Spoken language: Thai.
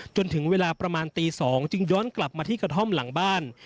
จนถึงเวลาประมาณตี๒จึงย้อนกลับมาที่กระท่อมหลังบ้าน